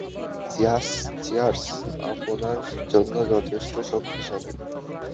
Cheers -cheers আপনার জন্য যথেষ্ট শক্তিশালী?